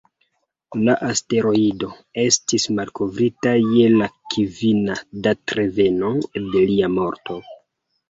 La asteroido estis malkovrita je la kvina datreveno de lia morto.